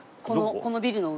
このビルの上。